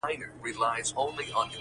انټرنېټ نړۍ کوچنۍ کړې ده